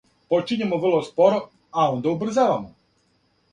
Почињемо врло споро, а онда убрзавамо.